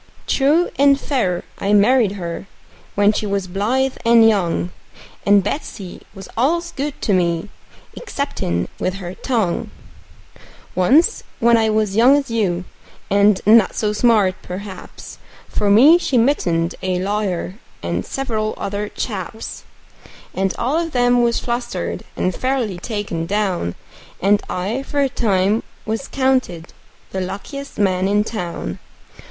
True and fair I married her, when she was blithe and young; And Betsey was al'ays good to me, exceptin' with her tongue. [ image not found: CarleFarmB 19, CarleFarmB 19 ] Once, when I was young as you, and not so smart, perhaps, For me she mittened a lawyer, and several other chaps; And all of them was flustered, and fairly taken down, And I for a time was counted the luckiest man in town.